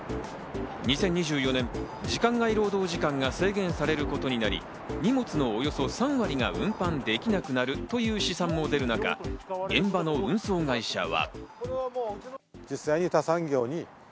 ２０２４年、時間外労働時間が制限されることになり、荷物のおよそ３割が運搬できなくなるという試算も出る中、現場の運送会社は。